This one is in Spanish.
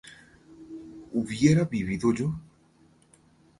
¿hubiera vivido yo?